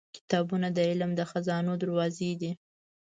• کتابونه د علم د خزانو دروازې دي.